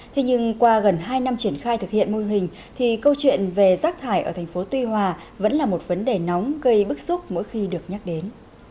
thế nhưng qua gần hai năm triển khai thực hiện mô hình thì câu chuyện về rác thải ở thành phố tuy hòa vẫn là một vấn đề nóng gây bức xúc mỗi khi được nhắc đến